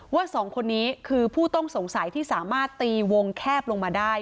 สองคนนี้คือผู้ต้องสงสัยที่สามารถตีวงแคบลงมาได้